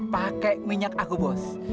pakai minyak aku bos